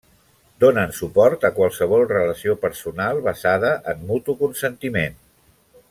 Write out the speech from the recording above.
Donen suport a qualsevol relació personal basada en mutu consentiment.